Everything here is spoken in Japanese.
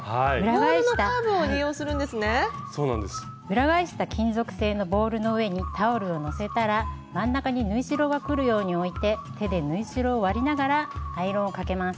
裏返した金属製のボウルの上にタオルをのせたら真ん中に縫い代がくるように置いて手で縫い代を割りながらアイロンをかけます。